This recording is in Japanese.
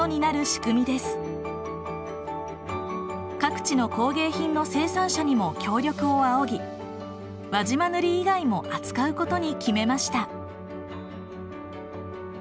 各地の工芸品の生産者にも協力を仰ぎ輪島塗以外も扱うことに決めました。